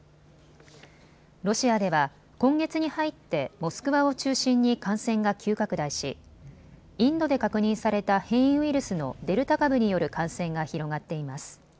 ロシアでは今月に入ってモスクワを中心に感染が急拡大し、インドで確認された変異ウイルスのデルタ株による感染が広がっています。